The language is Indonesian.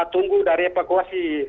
tunggu dari evakuasi